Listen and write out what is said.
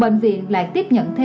bệnh viện lại tiếp nhận bệnh nhân